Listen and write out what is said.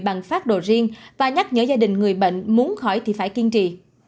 bằng phát đồ riêng và nhắc nhở gia đình người bệnh muốn khỏi thì phải kiên trì